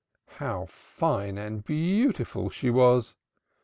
How fine and beautiful she was!